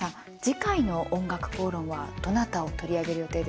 次回の「おんがくこうろん」はどなたを取り上げる予定ですか？